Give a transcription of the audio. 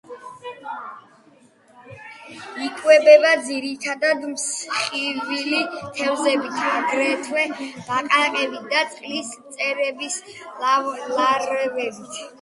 იკვებება ძირითადად მსხვილი თევზებით, აგრეთვე ბაყაყებით და წყლის მწერების ლარვებით.